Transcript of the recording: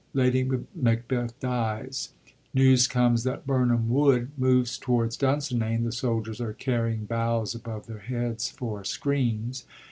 Lady Macbeth dies. News comes that Birnam Wood moves towards Dunsinane (the sol diers are carrying boughs above their heads for screens).